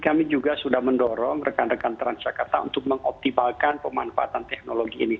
kami juga sudah mendorong rekan rekan transjakarta untuk mengoptimalkan pemanfaatan teknologi ini